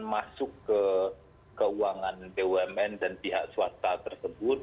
masuk ke keuangan bumn dan pihak swasta tersebut